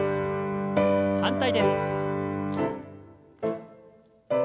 反対です。